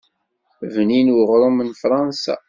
Bnin uɣṛum n Fṛansa.